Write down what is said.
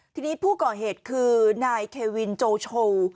ทีนี้ผู้ก่อเหตุคือนายเควินโจโช